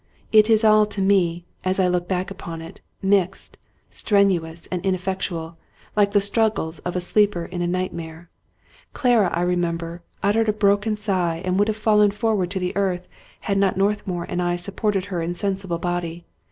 It is all to me, as I look back upon it, mixed, strenuous, and ineffectual, like the struggles of a sleeper in a nightmare. Clara, I re member, uttered a broken sigh and would have fallen for ward to earth, had not Northmour and I supported her in sensible body.